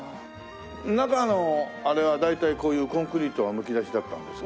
中のあれは大体こういうコンクリートはむき出しだったんですか？